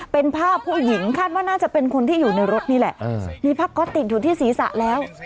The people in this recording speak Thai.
เป็นภาพผู้หญิงคาดว่าน่าจะเป็นคนที่อยู่ในรถนี่แหละมีผ้าก๊อตติดอยู่ที่ศีรษะแล้ว